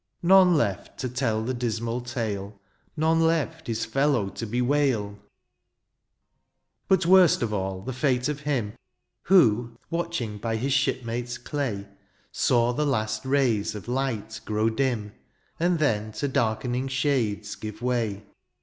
None left to tell the dismal tale. None left his fellow to bewail ! But worst of all, the fate of him, Who, watching by his shipmate's clay. Saw the last rays of light grow dim. And then to darkening shades give way.